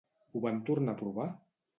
Ho van tornar a provar?